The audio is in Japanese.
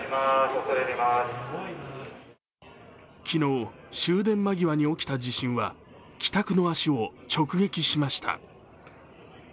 昨日、終電間際に起きた地震は帰宅の足を直撃しました。